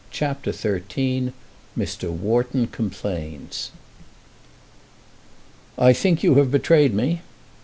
CHAPTER XIII Mr. Wharton Complains "I think you have betrayed me."